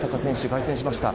凱旋しました。